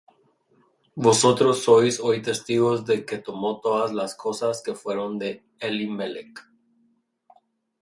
Vosotros sois hoy testigos de que tomo todas las cosas que fueron de Elimelech.